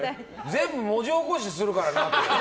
全部文字起こしするからな！